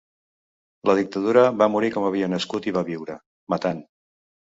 La dictadura va morir com havia nascut i va viure: matant.